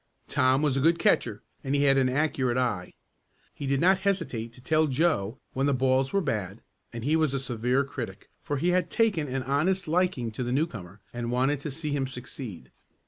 Tom was a good catcher and he had an accurate eye. He did not hesitate to tell Joe when the balls were bad and he was a severe critic, for he had taken an honest liking to the newcomer, and wanted to see him succeed.